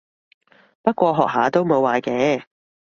不過學下都冇壞嘅